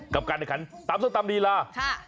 กับการในขันตำส้มตำดีล่ะค่ะ